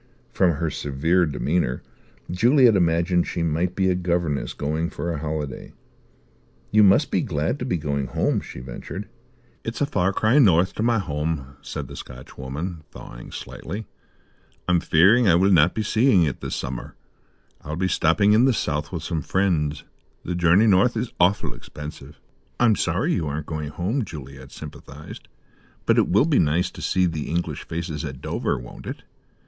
From her severe demeanour Juliet imagined she might be a governess going for a holiday. "You must be glad to be going home," she ventured. "It's a far cry north to my home," said the Scotchwoman, thawing slightly. "I'm fearing I will not be seeing it this summer. I'll be stopping in the south with some friends. The journey north is awful' expensive." "I'm sorry you aren't going home," Juliet sympathized, "but it will be nice to see the English faces at Dover, won't it?